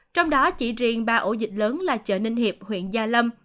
trong đó chỉ riêng ba ổ dịch lớn là chợ ninh hiệp huyện gia lâm